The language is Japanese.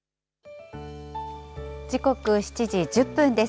時刻７時１０分です。